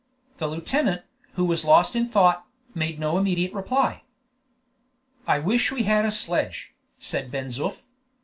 The lieutenant, who was lost in thought, made no immediate reply. "I wish we had a sledge," said Ben Zoof.